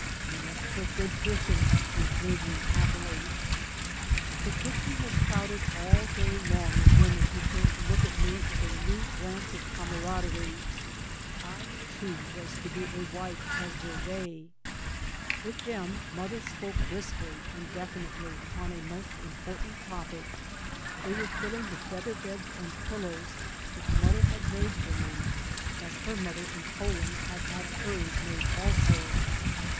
" You must cook good fish in it," she adjured me happily. The kitchen was crowded all day long with women who came to look at me with a new glance of camaraderie; I, too, was to be a wife as were they I With them mother spoke briskly and definitely upon a most important topic; they were filling the feather beds and pillows which mother had made for me, as her mother in Poland had had hers made also.